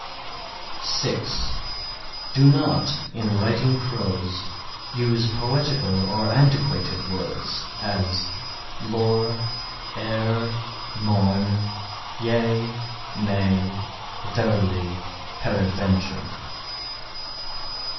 (6) Do not in writing prose, use poetical or antiquated words: as "lore, e'er, morn, yea, nay, verily, peradventure."